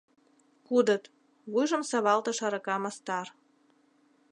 — Кудыт, — вуйжым савалтыш арака мастар.